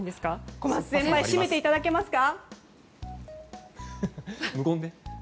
小松先輩締めていただけますか。